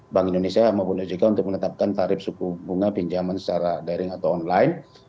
bank indonesia maupun ojk untuk menetapkan tarif suku bunga pinjaman secara daring atau online